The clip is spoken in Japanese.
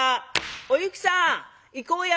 「おゆきさん行こうや。